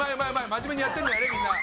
真面目にやってるんだよねみんな。